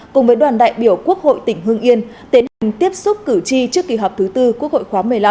cùng với đoàn đại biểu quốc hội tỉnh hương yên tiến hành tiếp xúc cử tri trước kỳ họp thứ tư quốc hội khóa một mươi năm